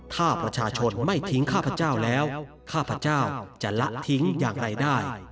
ถ้าประชาชนไม่ทิ้งข้าพเจ้าแล้วข้าพเจ้าจะละทิ้งอย่างไรได้